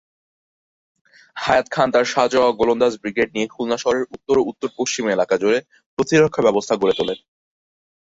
হায়াত খান তার সাঁজোয়া ও গোলন্দাজ ব্রিগেড নিয়ে খুলনা শহরের উত্তর ও উত্তর-পশ্চিম এলাকা জুড়ে প্রতিরক্ষা ব্যবস্থা গড়ে তোলেন।